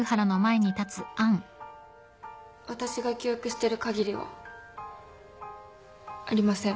私が記憶してるかぎりはありません。